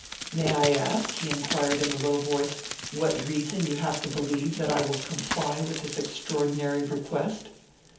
"May I ask," he inquired, in a low voice, "what reason you have to believe that I will comply with this extraordinary request?"